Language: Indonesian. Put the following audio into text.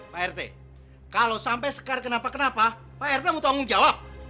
pak rt kalau sampai sekar kenapa kenapa pak rt mau tanggung jawab